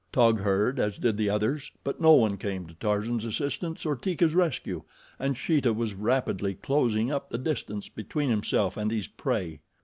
Taug heard, as did the others, but no one came to Tarzan's assistance or Teeka's rescue, and Sheeta was rapidly closing up the distance between himself and his prey.